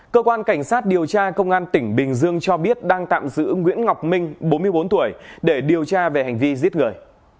cơ quan cảnh sát điều tra công an tỉnh bình dương cho biết đang tạm giữ nguyễn ngọc minh bốn mươi bốn tuổi để điều tra về hành vi giết người